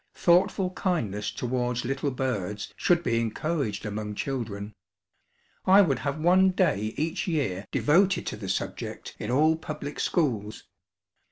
Thoughtful kindness towards little birds should be encouraged among children. I would have one day each year devoted to the subject in all public schools.